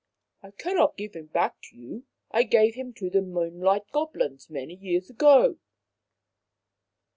" I cannot give him back to you. I gave him to the Moonlight Goblins many years ago."